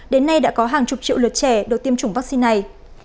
đến nay đã có hàng chục triệu lượt trẻ được tiêm chủng vaccine này